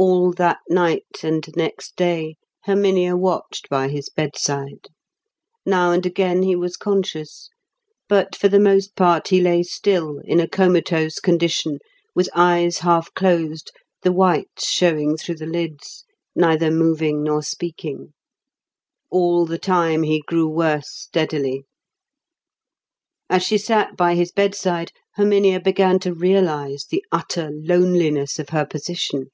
All that night and next day Herminia watched by his bedside. Now and again he was conscious. But for the most part he lay still, in a comatose condition, with eyes half closed, the whites showing through the lids, neither moving nor speaking. All the time he grew worse steadily. As she sat by his bedside, Herminia began to realise the utter loneliness of her position.